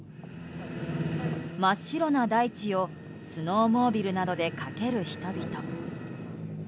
真っ白な大地をスノーモービルなどで駆ける人々。